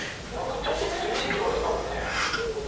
ちょっとずるい気もしますね。